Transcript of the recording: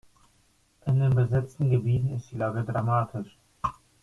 In den besetzten Gebieten ist die Lage dramatisch.